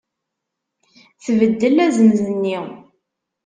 Tbeddel azemz-nni.